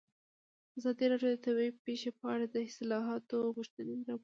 ازادي راډیو د طبیعي پېښې په اړه د اصلاحاتو غوښتنې راپور کړې.